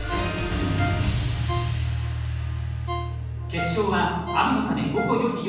決勝は雨のため午後４時４４分開始。